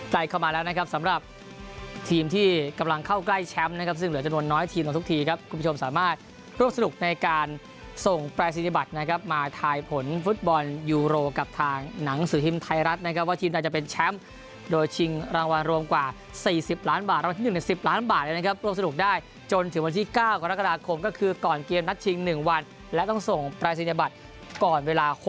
ใต้เข้ามาแล้วสำหรับทีมที่กำลังเข้ากล้ายแชมป์ซึ่งเหลือจนวนน้อยทีมของทุกทีครับคุณผู้ชมสามารถรวบสนุกในการส่งแปรสินตีบัตรมาทายผลฟุตบอลยูโรป์กับทางหนังสือธิมทัยรัชนะครับว่าทีมได้เป็นแชมป์โดยชิงรางวัลรวมกว่า๔๑หรือ๑๐ล้านบาทเลยรวบสนุกได้จนถึงวันที่๙คือก